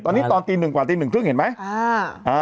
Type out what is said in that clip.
ตอนนี้ตอนตีหนึ่งกว่าตีหนึ่งครึ่งเห็นไหม